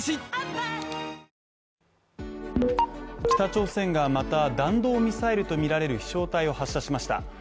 北朝鮮がまた弾道ミサイルとみられる飛翔体を発射しました。